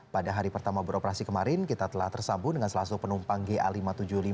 pada hari pertama beroperasi kemarin kita telah tersambung dengan salah satu penumpang ga lima ratus tujuh puluh lima